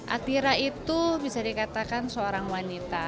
atira itu bisa dikatakan seorang wanita